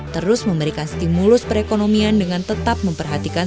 terus memberikan stimulus perekonomian dengan tetap memperhatikan